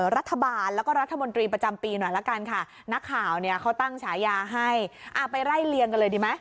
รัฐบาลแล้วก็รัฐมนตรีประจำปีหน่อยละกันค่ะนักข่าวเนี่ยเขาตั้งฉายาให้อ่าไปไล่เลี่ยงกันเลยดีไหม